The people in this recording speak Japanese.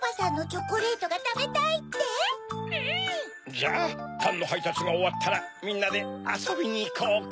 じゃあパンのはいたつがおわったらみんなであそびにいこうか？